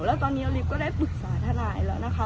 แล้วตอนนี้อลิฟต์ก็ได้ปรึกษาทนายแล้วนะคะ